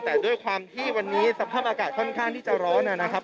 แต่ด้วยความที่วันนี้สภาพอากาศค่อนข้างที่จะร้อนนะครับ